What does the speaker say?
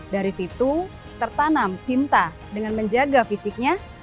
dari situ tertanam cinta dengan menjaga fisiknya